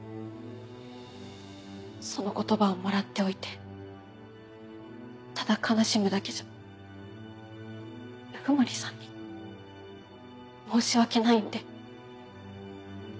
その言葉をもらっておいてただ悲しむだけじゃ鵜久森さんに申し訳ないんで。